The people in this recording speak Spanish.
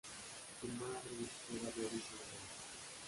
Su madre era de origen alemán.